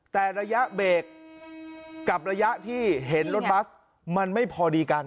แต่ระยะเบรกกับระยะที่เห็นรถบัสมันไม่พอดีกัน